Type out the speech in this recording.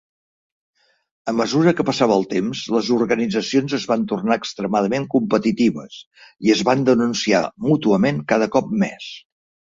A mesura que passava el temps, les organitzacions es van tornar extremadament competitives i es van denunciar mútuament cada cop més.